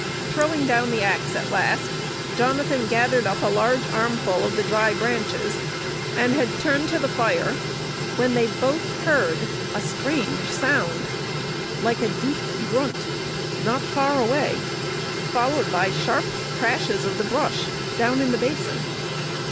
Throwing down the axe at last, Jonathan gathered up a large armful of the dry branches, and had turned to the fire, when they both heard a strange sound, like a deep grunt, not far away, followed by sharp crashes of the brush down in the basin.